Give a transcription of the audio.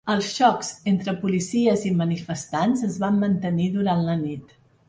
Els xocs entre policies i manifestants es van mantenir durant la nit.